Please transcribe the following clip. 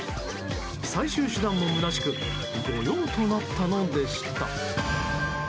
最終手段もむなしく御用となったのでした。